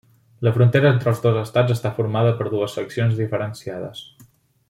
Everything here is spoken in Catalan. La frontera entre els dos estats està formada per dues seccions diferenciades.